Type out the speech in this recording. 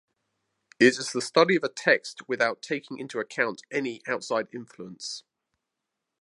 It is the study of a text without taking into account any outside influence.